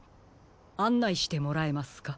あんないしてもらえますか？